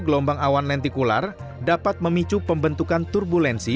gelombang awan lentikular dapat memicu pembentukan turbulensi